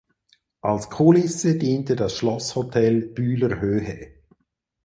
Als Kulisse diente das Schlosshotel Bühlerhöhe.